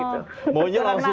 kayaknya kurang gitu